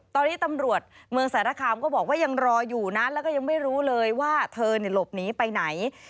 ตอนนี้ตำรวจเมืองสารคามก็บอกว่ายังรออยู่นะแล้วก็ยังไม่รู้เลยว่าเธอหลบหนีไปไหน